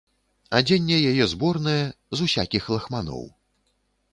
Адзенне яе зборнае, з усякіх лахманоў.